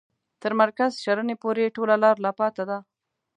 تر مرکز شرنې پوري ټوله لار لا پاته ده.